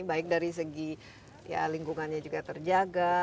baik dari segi lingkungannya juga terjaga